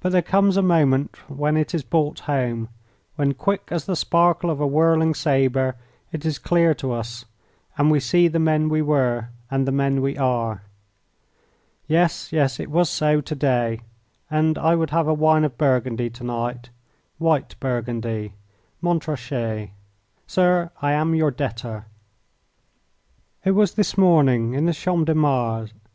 But there comes a moment when it is brought home, when quick as the sparkle of a whirling sabre it is clear to us, and we see the men we were and the men we are. Yes, yes, it was so to day, and I would have a wine of Burgundy to night. White Burgundy Montrachet Sir, I am your debtor! It was this morning in the Champ de Mars.